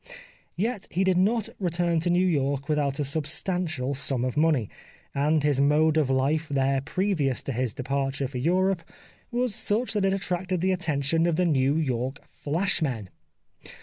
Yet he did not return to New York without a substantial sum of money, and his mode of life there previous to his departure for Europe was 219 The Life of Oscar Wilde such that it attracted the attention of the New York flash men.